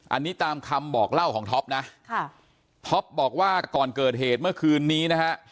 อันนี้ตามคำบอกเล่าของท็อปนะค่ะท็อปบอกว่าก่อนเกิดเหตุเมื่อคืนนี้นะฮะ